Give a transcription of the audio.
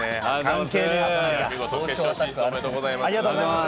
決勝進出、おめでとうございます。